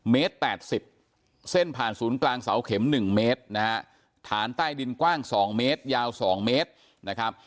เมตร๘๐เส้นผ่านศูนย์กลางเสาเข็ม๑เมตรนะฮะฐานใต้ดินกว้าง๒เมตรยาว๒เมตรนะครับ